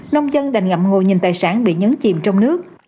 nông dân đành ngậm ngồi nhìn tài sản bị nhấn chìm trong nước